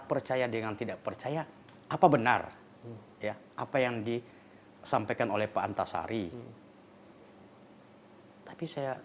percaya dengan tidak percaya apa benar ya apa yang disampaikan oleh pak antasari tapi saya